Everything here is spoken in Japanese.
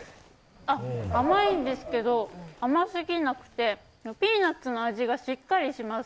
あっ、甘いんですけど甘すぎなくて、ピーナッツの味がしっかりします。